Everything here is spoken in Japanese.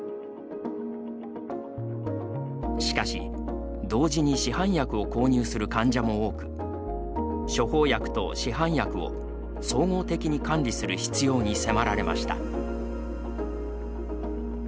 しかし、同時に市販薬を購入する患者も多く処方薬と市販薬を総合的に管理する必要に迫られました。